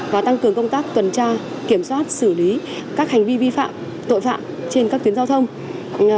và tăng cường công tác tuần tra kiểm soát xử lý các hành vi vi phạm tội phạm trên các tuyến giao thông